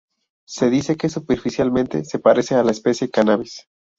Se dice que superficialmente se parece a la especie "Cannabis".